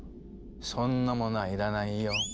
そんなものはいらないよ。